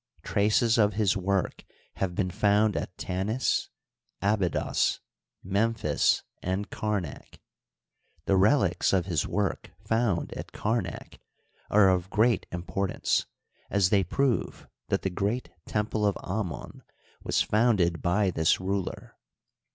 Traces of his work have been found at Tanis, Abydos, Memphis, and Kamak. The relics of his work found at Kamak are of great importance, as they prove that the great temple of Amon was founded by this ruler.